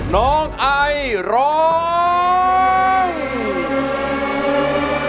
น้องไอร้อง